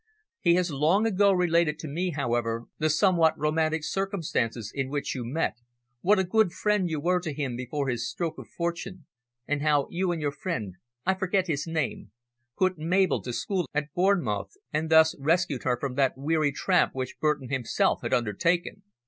He has long ago related to me, however, the somewhat romantic circumstances in which you met, what a good friend you were to him before his stroke of fortune, and how you and your friend I forget his name put Mabel to school at Bournemouth, and thus rescued her from that weary tramp which Burton himself had undertaken."